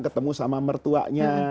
ketemu sama mertuanya